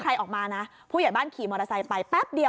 ในกล้องวงจรปิดเนี้ย